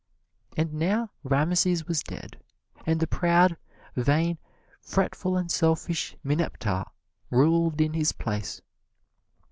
And now Rameses was dead, and the proud, vain, fretful and selfish Mineptah ruled in his place.